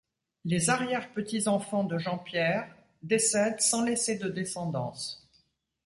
Les arrière-petits-enfants de Jean-Pierre décèdent sans laisser de descendance.